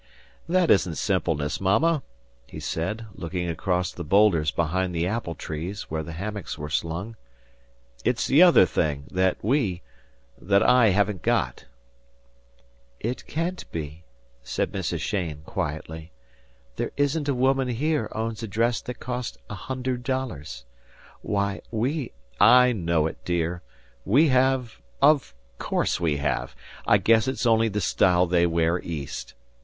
"That isn't simpleness, Mama," he said, looking across the boulders behind the apple trees where the hammocks were slung. "It's the other thing, that what I haven't got." "It can't be," said Mrs. Cheyne quietly. "There isn't a woman here owns a dress that cost a hundred dollars. Why, we " "I know it, dear. We have of course we have. I guess it's only the style they wear East.